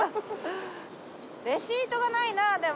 レシートがないなぁでも。